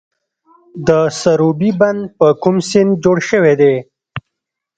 د سروبي بند په کوم سیند جوړ شوی دی؟